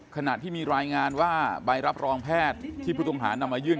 ขณะที่มีรายงานว่าใบรับรองแพทย์ที่ผู้ต้องหานำมายื่น